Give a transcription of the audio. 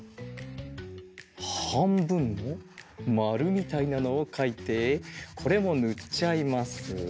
はんぶんのまるみたいなのをかいてこれもぬっちゃいます。